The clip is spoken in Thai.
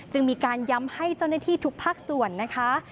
จึงมีการย้ำให้เจ้าหน้าที่ทุกภาคส่วนนะคะ